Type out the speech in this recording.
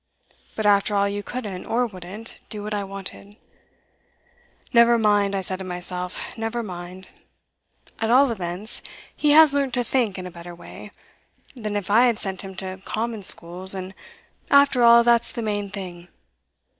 But after all you couldn't, or wouldn't, do what I wanted. Never mind I said to myself never mind; at all events, he has learnt to think in a better way than if I had sent him to common schools, and after all that's the main thing.